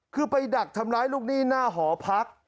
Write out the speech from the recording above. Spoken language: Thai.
คือไปดักทำร้ายลูกหนี้หน้าหอพัก